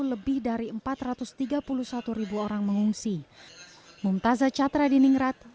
lebih dari empat ratus tiga puluh satu ribu orang mengungsi